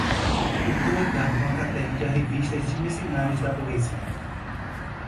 o tom é dado por uma caterva de arrivistas e mercenários da burguesia